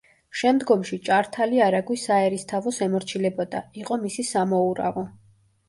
შემდგომში ჭართალი არაგვის საერისთავოს ემორჩილებოდა; იყო მისი სამოურავო.